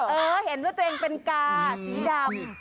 เออเห็นว่าตัวเองเป็นกาสีดำ